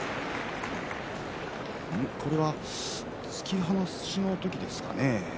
これは突き放しの時ですかね。